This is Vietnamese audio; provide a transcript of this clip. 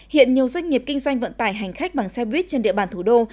hiện nhiều doanh nghiệp kinh doanh vận tải hành khách bằng xe buýt trên địa bàn thủ đô